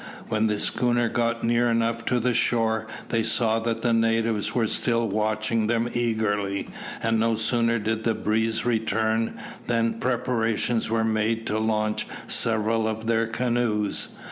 When the schooner got near enough to the shore, they saw that the natives were still watching them eagerly, and no sooner did the breeze return, than preparations were made to launch several of their canoes.